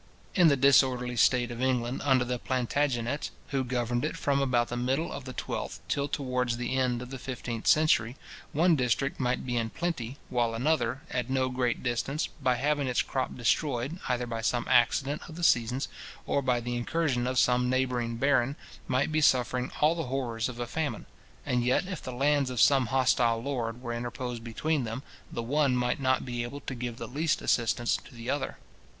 In the disorderly state of England under the Plantagenets, who governed it from about the middle of the twelfth till towards the end of the fifteenth century, one district might be in plenty, while another, at no great distance, by having its crop destroyed, either by some accident of the seasons, or by the incursion of some neighbouring baron, might be suffering all the horrors of a famine; and yet if the lands of some hostile lord were interposed between them, the one might not be able to give the least assistance to the other.